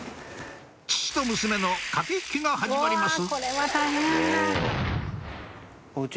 父と娘の駆け引きが始まります